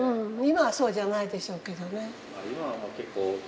今はそうじゃないでしょうけどね。